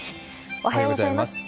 おはようございます。